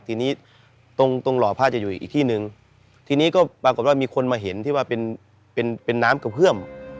ทีนี้ตรงตรงหล่อผ้าจะอยู่อีกที่หนึ่งทีนี้ก็ปรากฏว่ามีคนมาเห็นที่ว่าเป็นเป็นน้ำกระเพื่อม